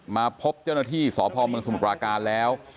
มาพบเจ้าหน้าที่สพบศกรกาแล้ว